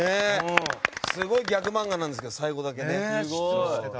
すごいギャグマンガですけど最後だけね。